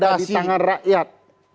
ada di tangan rakyat